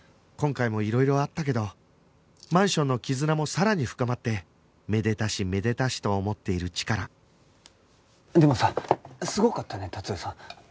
今回もいろいろあったけどマンションの絆もさらに深まってめでたしめでたしと思っているチカラでもさすごかったね達代さん。